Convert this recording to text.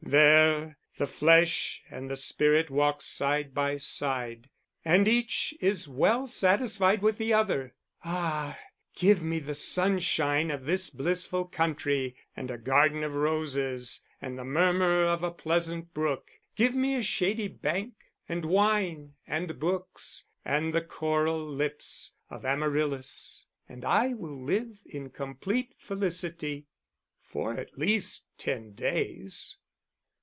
There the flesh and the spirit walk side by side, and each is well satisfied with the other. Ah, give me the sunshine of this blissful country, and a garden of roses, and the murmur of a pleasant brook; give me a shady bank, and wine, and books, and the coral lips of Amaryllis, and I will live in complete felicity for at least ten days.